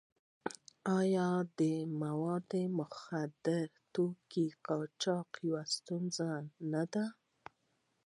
آیا د مخدره توکو قاچاق یوه ستونزه نه ده؟